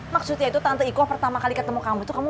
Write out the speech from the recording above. maksudnya itu tante iko pertama kali ketemu kamu itu